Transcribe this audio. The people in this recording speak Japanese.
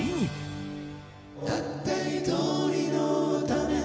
「たった一人のため」